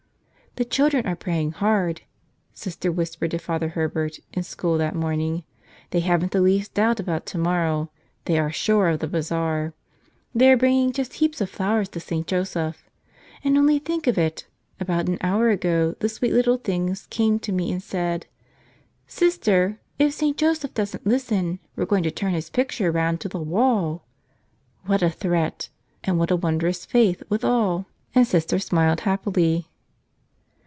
"The children are praying hard," Sister whispered to Father Herbert in school that morning. "They haven't the least doubt about tomor¬ row; they are sure of the bazaar. They are bringing just heaps of flowers to St. Joseph. And only think of it — about an hour ago the sweet little things came to me and said, 'Sister, if St. Joseph doesn't listen, we're going to turn his picture round to the wall.' What a threat! And what a wondrous faith withal!" And Sister smiled happily.